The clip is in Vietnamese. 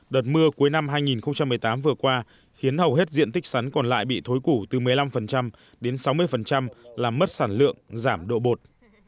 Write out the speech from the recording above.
đợt mưa cuối năm hai nghìn một mươi tám vừa qua khiến hầu hết diện tích sắn còn lại bị thối củ từ một mươi năm đến sáu mươi làm mất sản lượng giảm độ bột